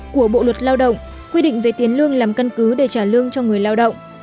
của bộ luật lao động quy định về tiền lương làm căn cứ để trả lương cho người lao động